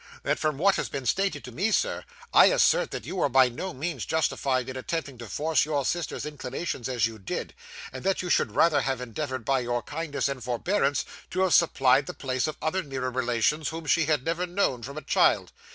That from what has been stated to me, sir, I assert that you were by no means justified in attempting to force your sister's inclinations as you did, and that you should rather have endeavoured by your kindness and forbearance to have supplied the place of other nearer relations whom she had never known, from a child.